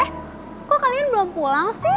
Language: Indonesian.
eh kok kalian belum pulang sih